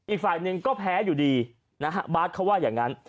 อีกฝ่ายหนึ่งก็แพ้อยู่ดีนะฮะบาทเขาว่าอย่างนั้น